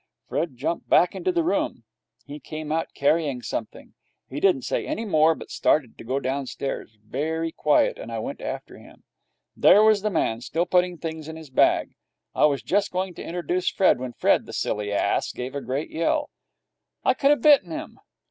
Fred jumped back into the room. He came out, carrying something. He didn't say any more but started to go downstairs, very quiet, and I went after him. There was the man, still putting things in his bag. I was just going to introduce Fred, when Fred, the silly ass, gave a great yell. I could have bitten him.